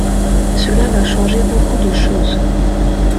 Cela va changer beaucoup de choses.